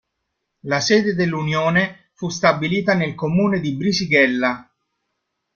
La sede dell'Unione fu stabilita nel comune di Brisighella.